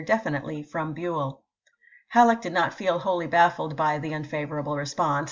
■' definitely from Buell." HaUeck did not feel wholly bafBLed by the unfavorable response.